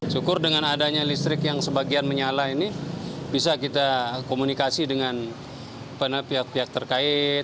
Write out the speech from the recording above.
syukur dengan adanya listrik yang sebagian menyala ini bisa kita komunikasi dengan pihak pihak terkait